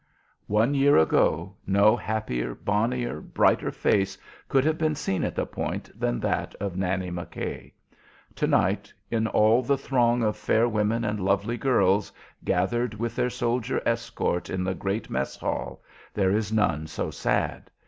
One year ago no happier, bonnier, brighter face could have been seen at the Point than that of Nannie McKay. To night, in all the throng of fair women and lovely girls, gathered with their soldier escort in the great mess hall, there is none so sad.